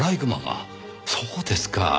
そうですか。